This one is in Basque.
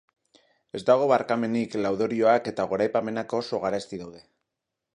Ez dago barkamenik, laudorioak eta goraipamenak oso garesti daude.